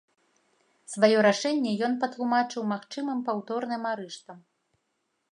Сваё рашэнне ён патлумачыў магчымым паўторным арыштам.